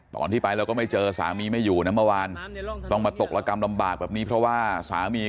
ตอนที่ไปแล้วก็ไม่เจอสามีไม่อยู่นะเมื่อวานต้องมาตกระกำลำบากแบบนี้เพราะว่าสามี